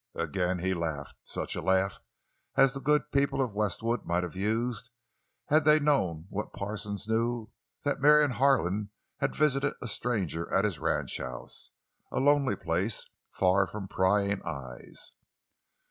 Again he laughed—such a laugh as the good people of Westwood might have used had they known what Parsons knew—that Marion Harlan had visited a stranger at his ranchhouse—a lonely place, far from prying eyes.